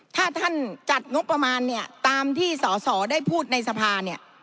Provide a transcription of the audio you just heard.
ถ้าท่านจัดงบประมาณตามที่ส่อได้พูดในสภา